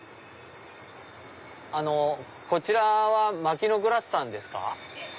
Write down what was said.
あのこちらはマキノグラスさんですか？